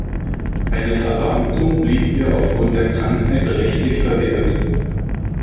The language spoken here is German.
Eine Verbeamtung blieb ihr aufgrund der Krankheit rechtlich verwehrt.